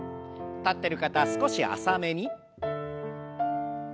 立ってる方少し浅めに。